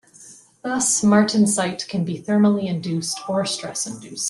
Thus, martensite can be thermally induced or stress induced.